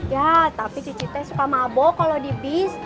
ya tapi cicik teh suka mabok kalau di bis